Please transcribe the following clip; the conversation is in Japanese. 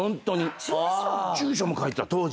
住所も書いてあった当時。